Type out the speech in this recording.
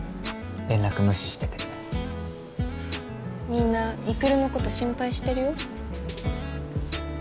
連絡無視しててみんな育のこと心配してるよ